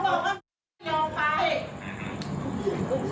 อย่าให้มันเดินเข้ามาอย่างนี้